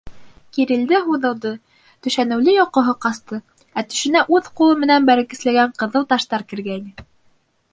Кирелде-һуҙылды, төшәнеүле йоҡоһо ҡасты, ә төшөнә үҙ ҡулы менән бәргесләгән ҡыҙыл таштар кергәйне.